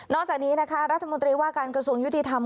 จากนี้นะคะรัฐมนตรีว่าการกระทรวงยุติธรรม